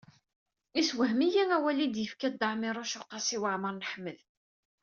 Iswahem-iyi awal i d-yefka Dda Ɛmiiruc u Qasi Waɛmer n Ḥmed.